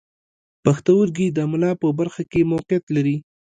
پښتورګي د ملا په برخه کې موقعیت لري.